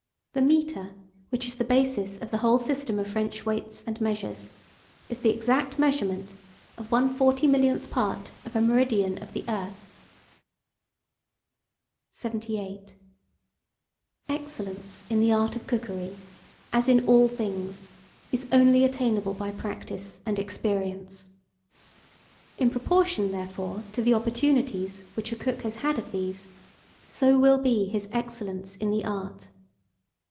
The metre, which is the basis of the whole system of French weights and measures, is the exact measurement of one forty millionth part of a meridian of the earth. 78. EXCELLENCE IN THE ART OF COOKERY, as in all other things, is only attainable by practice and experience. In proportion, therefore, to the opportunities which a cook has had of these, so will be his excellence in the art.